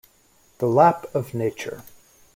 The lap of Nature!